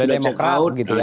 ada demokraut gitu ya